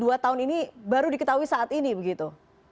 dan praktek dua tahun ini baru diketahui saat ini begitu